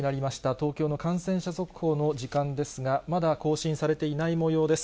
東京の感染者速報の時間ですが、まだ更新されていないもようです。